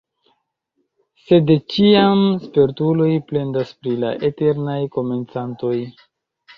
Sed de ĉiam spertuloj plendas pri la eternaj komencantoj.